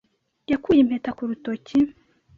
yakuye impeta ku rutoki.